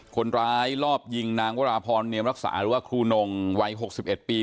คนร้ายรอบยิงนางวราพรเนียมรักษาหรือว่าครูนงวัย๖๑ปี